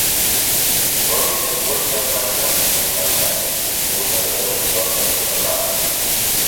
Но тиде Костям пырчат ыш лыпландаре, утыр веле чонжым пудратыш.